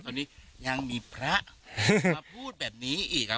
ตอนนี้ยังมีพระมาพูดแบบนี้อีกครับ